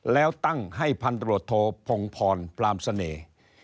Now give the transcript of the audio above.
แล้วตั้งให้พันตรวจโทพงพรพรามเสน่ห์